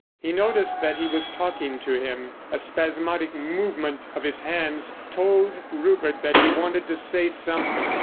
He noticed that he was talking to him. A spasmodic movement of his hands told Rupert that he wanted to say something.